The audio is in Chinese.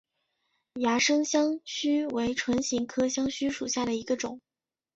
岩生香薷为唇形科香薷属下的一个种。